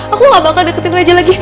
aku gak bakal deketin aja lagi